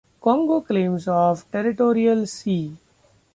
Congo claims of territorial sea.